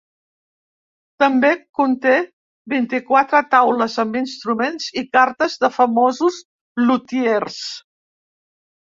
També conté vint-i-quatre taules amb instruments i cartes de famosos lutiers.